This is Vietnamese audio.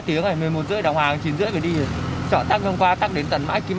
theo đó đã tiêm được gần năm sáu triệu mũi